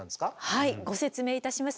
はいご説明いたします。